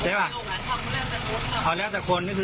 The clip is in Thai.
เอาแล้วแต่คน